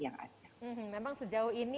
yang ada memang sejauh ini